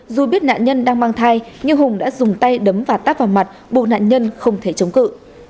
dù biết nạn nhân đang mang thai nhưng hùng đã dùng tay đấm và tát vào mặt bù nạn nhân không thể chống cự